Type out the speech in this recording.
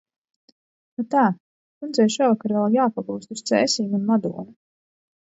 Atā, kundzei šovakar vēl jāpagūst uz Cēsīm un Madonu.